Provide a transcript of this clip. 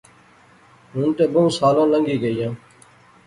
ہن تہ بہوں سالاں لنگی گئیاں